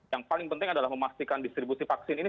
yang paling penting adalah memastikan distribusi vaksin ini